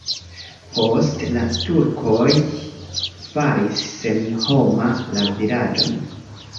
Poste la turkoj faris senhoma la vilaĝon.